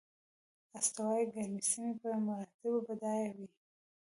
استوایي ګرمې سیمې په مراتبو بډایه وې.